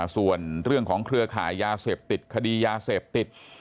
ส่วนเรื่องของเครือขายยาเสพติดคดียาเสพติด